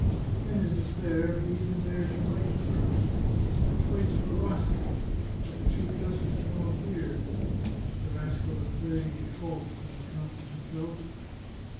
In his despair he even dared to write to her. He had sent twice for Rassi, but the chief justice had not appeared. " The rascal is play ing me false," said the count to himself.